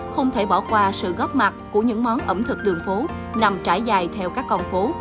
không thể bỏ qua sự góp mặt của những món ẩm thực đường phố nằm trải dài theo các con phố